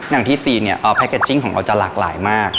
อย่างที่ซีนเนี่ยแพ็กเกจจิ้งของเราจะหลากหลายมาก